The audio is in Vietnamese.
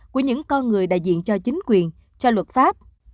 của những con người đại diện cho chính quyền cho luật pháp